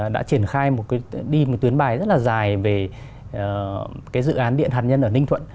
đã triển khai một tuyến bài rất là dài về dự án điện hạt nhân ở ninh thuận